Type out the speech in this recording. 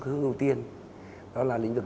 hướng đầu tiên đó là lĩnh vực